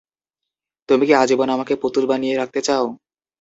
তুমি কি আজীবন আমাকে পুতুল বানিয়ে রাখতে চাও?